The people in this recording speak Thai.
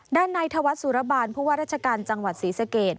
ด้านในทวัฒนสู้ระบานพวกว่าราชกาลจังหวัดศรีสเกส